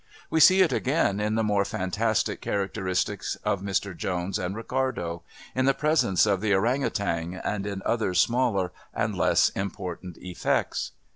We see it again in the more fantastic characteristics of Mr Jones and Ricardo, in the presence of the Orang Outang, and in other smaller and less important effects.